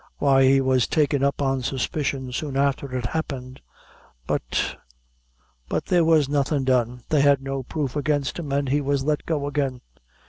"Why, he was taken up on suspicion soon afther it happened; but but there was nothing done: they had no proof against him, an' he was let go again."